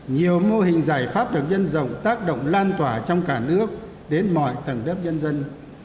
nhiều mô hình giải pháp được dân rộng tác động lan tỏa trong cả nước đến mọi tầng đất dân dân